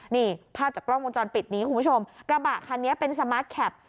นี่ภาพจากกล้องวงจรปิดนี้คุณผู้ชมกระบะคันนี้เป็นสมาร์ทแคป